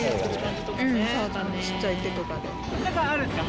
ちっちゃい手とかで。